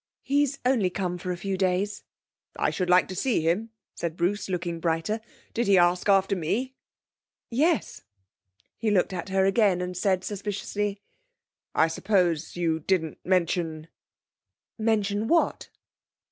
'He's only come for a few days.' 'I should like to see him,' said Bruce, looking brighter. 'Did he ask after me?' 'Yes.' He looked at her again and said suspiciously: 'I suppose you didn't mention ' 'Mention what?'